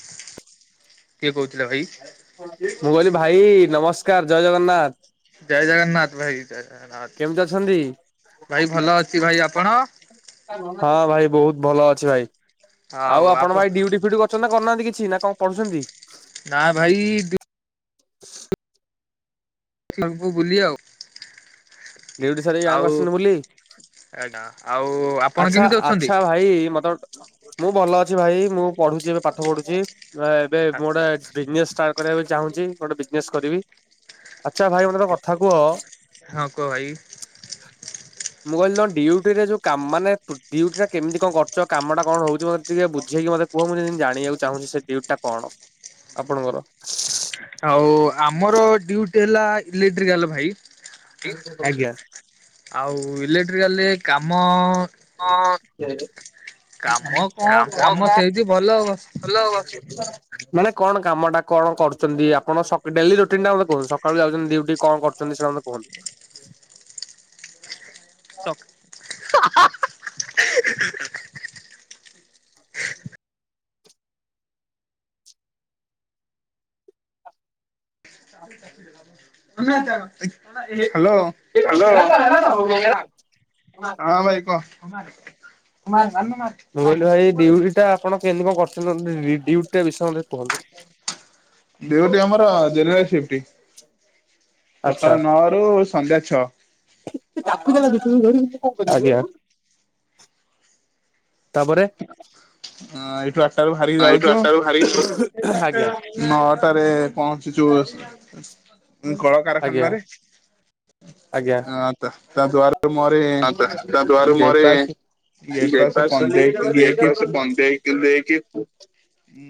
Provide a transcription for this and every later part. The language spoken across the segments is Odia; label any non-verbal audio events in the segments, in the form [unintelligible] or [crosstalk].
କିଏ କହୁଥିଲେ ଭାଇ? ମୁଁ କହିଲି ଭାଇ ନମସ୍କାର, ଜୟ ଜଗନ୍ନାଥ। ଜୟ ଜଗନ୍ନାଥ ଭାଇ, ଜୟ ଜଗନ୍ନାଥ କେମିତି ଅଛନ୍ତି? ଭାଇ, ଭଲ ଅଛି ଭାଇ, ଆପଣ? ହଁ ଭାଇ ବହୁତ ଭଲ ଅଛି ଭାଇ, ଆଉ ଆପଣ ଭାଇ ଡ଼ିଉଟି ଫିଉଟି? କରୁଚନ୍ତି ନା କରୁନାହାନ୍ତି କିଛି, ନା କଣ ପଢୁଛନ୍ତି? ନା ଭାଇ ବୁ ବୁଲି ଆଉ ଡ୍ୟୁଟି ସାରିକି ଗାଁ କୁ ଆଉ ଆସିଛନ୍ତି ବୁଲି? ଆଜ୍ଞା ଆଉ ଆପଣ ଆଚ୍ଛା କେମିତି ଅଛନ୍ତି? ଆଚ୍ଛା ଭାଇ ମତେ ଗୋଟେ ମୁଁ ଭଲ ଅଛି ଭାଇ। ମୁଁ ପଢୁଚି ଏବେ ପାଠ ପଢୁଚି। ଏବେ ମୁଁ ଗୋଟେ ବିଜିନେସ ଷ୍ଟାର୍ଟ କରିବାକୁ ଚାହୁଁଚି। ଗୋଟେ ବିଜନେସ୍ କରିବି। ଆଚ୍ଛା ଭାଇ ମୋତେ କଥା କୁହ ହଁ କୁହ ଭାଇ। [inaudible] ମୁଁ କହିଲି ତମ ଡିଉଟି ରେ ଯୋଉ କା ମାନେ ଡିଉଟି କେମିତି କଣ କରୁଚ, କାମ ଟା କଣ ହଉଚି ମତେ ଟିକେ ବୁଝେଇକି ମତେ କୁହ ମୁଁ ଯେମିତି ଜାଣିବାକୁ ଚାହୁଁଛି ସେ ଡ୍ୟୁଟି ଟା କଣ ଆପଣଙ୍କର? ଆଉ ଆମର ଡ୍ୟୁଟିବହେଲା ଇଲେକ୍ଟ୍ରିକାଲ ଭାଇ। [unintelligible] ଆଜ୍ଞା। ଆଉ ଇଲେକ୍ଟ୍ରିକାଲ ରେ କାମ ହଁ। କାମ କାମ କଣ ସେମିତି ଭଲ ଭଲ ଅଛି। [unintelligible] ମାନେ କଣ କାମ ଟା କଣ କରୁଛନ୍ତି, ଆପଣ ଡେଲି ରୁଟିନ ଟା ମତେ କୁହନ୍ତୁ ସକାଳୁ ଯାଉଛନ୍ତି ଡିଉଟି କଣ କରୁଛନ୍ତି? ଛନ୍ତି ସେଟା ମତେ କୁହନ୍ତୁ? Hello [unintelligible] [unintelligible] hello. ହଁ ଭାଇ କହ? ମୁଁ କହିଲି ଭାଇ ଡ୍ୟୁଟି ଟା ଆପଣ କେମତି କଣ କରୁଛନ୍ତି? ଡ୍ୟୁଟି ଟା ବିଷୟରେ। [unintelligible] ଡ୍ୟୁଟି ଆମର ଜେନେରାଲ ସିପ୍ଟୀ। ଆଚ୍ଛା ସକାଳ ନଅରୁୁ ସନ୍ଧ୍ୟା ଛଅ। [unintelligible] ଆଜ୍ଞା। ତାପରେ ଅ ଏଇଠୁ ଆଠଟାରୁୁ ବାହାରିକି ହଁ ଏଇଠୁ ଯାଉଚୁ ଆଠଟା ବେଳକୁ ବାହାରିକି ଆଜ୍ଞା ନଅଟାରେ ପହଞ୍ଚୁଚୁ ଆଜ୍ଞା କଳକାରଖାନାରେ। ଆଜ୍ଞା। ଆ ତା ଦ୍ୱାର ମୁହଁ ରେ ତା ଦ୍ଵାରା ମୋର ଗେଟପାସ ଗେଟପାସ। ବ୍ରେକଫାଷ୍ଟ [unintelligible] ଦେଇକି ବ୍ରେକଫାଷ୍ଟ ଦେଇକି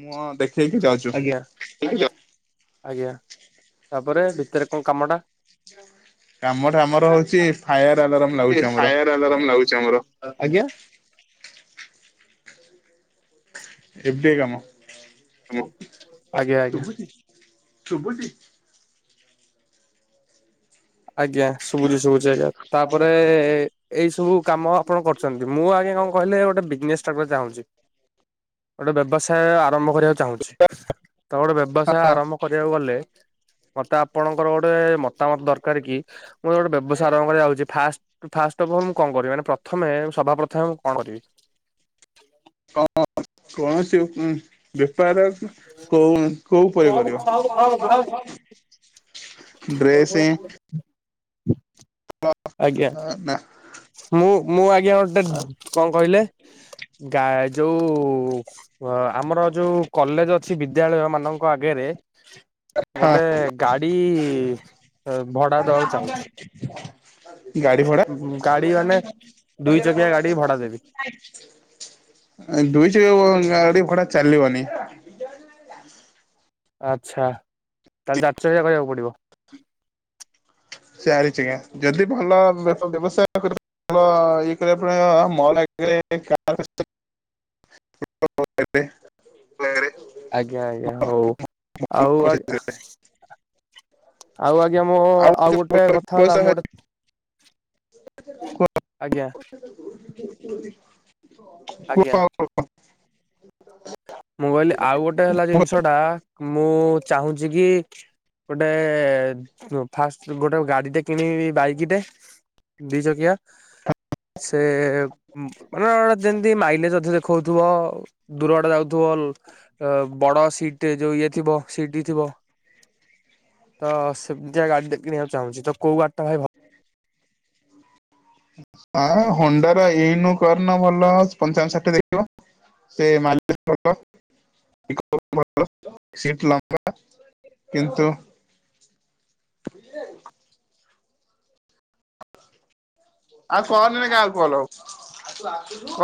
ମୁଁ ଦେଖେଇକି ଯାଉଚୁ। ଆଜ୍ଞା। ଆଜ୍ଞା। ତାପରେ ଭିତରେ କଣ କାମ ଟା? କାମଟା ଆମର ହଉଚି ଫାୟାର ଆଲାରାମ ଲାଗୁଛି ଆମର ଫାୟାର ଆଲାରାମ ଲାଗୁଛି ଆମର। ଆଜ୍ଞା। ଏମିତିଆ କାମ। [unintelligible] ଶୁଭୁଚି ଶୁଭୁଚି? ଆଜ୍ଞା। ଶୁଭୁଛି ଶୁଭୁଛି ଆଜ୍ଞା। ତାପରେ ଏଇ ସବୁ କାମ ଆପଣ କରୁ। ମୁଁ ଆଜ୍ଞା କଣ କହିଲେ ଗୋଟେ ବିଜନେସ୍ ଟାଇପ୍ ର ଚାହୁଁଚି। ଗୋଟେ ବ୍ୟବସାୟ ଆରମ୍ଭ କରିବାକୁ ଚାହୁଁଚି। ତ ଗୋଟେ ବ୍ୟବସାୟ ଆରମ୍ଭ କରିବାକୁ ଗଲେ, ମତେ ଆପଣଙ୍କର ଗୋଟେ ମତାମତ ଦର କାର କି, ମୋର ଗୋଟେ ବ୍ୟବସାୟା ଆରମ୍ଭ କରିବାକୁ ଯାଉଚି। ଫାଷ୍ଟ ଫାଷ୍ଟ ଅଫ୍ ଅଲ୍ ମୁଁ କଣ କରିବି? ମାନେ ପ୍ରଥମେ ସଭା ପ୍ରଥମେ ମୁଁ କଣ କରିବି? [unintelligible] କୌଣସି ବେପାର କଉଁ କୋଉଁ ଉପରେ କରିବ? ଡ୍ରେସ। ଆଜ୍ଞା। ନା ମୁଁ ମୁଁ ଆଜ୍ଞା ଗୋଟେ, କଣ କହିଲେ? ଗା ଯୋଉ ଆମର ଯୋଉ କଲେଜ ଅଛି ବିଦ୍ୟାଳୟ ମାନଙ୍କ ଆଗରେ ଗୋଟେ ଗାଡି ଭଡା ଦବାକୁ ଚାହୁଁଚି। ଗାଡି ଭଡା? ଗାଡି ମାନେ ଦୁଇ ଚକିଆ ଗାଡି ଭଡା ଦେବି ଦୁଇ ଚକିଆ ଗାଡି ଭଡା ଚାଲିବନି। ଆଚ୍ଛା। ତାହେଲେ ଚାରି ଚକିଆ କରିବାକୁ ପଡିବ। ଚାରି ଚକିଆ। ଯଦି ଭଲ ବ୍ୟବସାୟ କରି [unintelligible] ଆଜ୍ଞା ଆଜ୍ଞା ହଉ ଆଉ ଆ ପଚିଶରେ ଆଉ ଆଜ୍ଞା ମୋ ଆଉ ଗୋଟେ କଥା ହେଲା ମୁଁ ଗୋଟେ ଆଜ୍ଞା। କୁହ ଆଜ୍ଞା ଆଉ। ମୁଁ କହିଲି ଆଉ ଗୋଟେ ହେଲା ଜିନିଷଟା ମୁଁ ଚାହୁଁଚି କି ଗୋଟେ ଫୁ ଫାଷ୍ଟ ଗୋଟେ ଗାଡିଟେ କିଣିବି ବାଇକ୍ ଟେ। ଦି ଚକିଆ। ହା। ସେ ଉଁ ମାନେ ଗୋଟେ ଯେମିତି ମାଇଲେଜ ଅ ଦେଖଉଥିବ ଦୂର ବାଟ ଯାଉ ଥିବ ଲ ଅ ବଡ ସିଟେ ଯୋଉ ଇଏ ଥିବ ସିଟ ଥିବ। ତ ସେମିତିଆ ଗାଡି ଟେ କିଣିବାକୁ ଚାହୁଁଚି ତ କୋଉ ଗାଡି ଟା ଭାଇ ଭଲ୍ ଆଁ ହଣ୍ଡାର ଇନୁ କରୁନା ଭଲ ପଞ୍ଚାବନ ଷାଠିଏ ଦେଖେଇବ। ସେ ମାଲିକ୍ ର। ପିକପ୍ ଭଲ ସିଟ ଲମ୍ୱା କିନ୍ତୁ ହୁଏ ଆଉ କହନି ରେ କାହାକୁ ଭଲ।